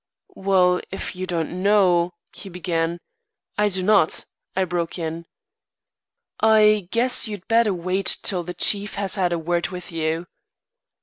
"Well, if you don't know " he began. "I do not," I broke in. "I guess you'd better wait till the chief has had a word with you."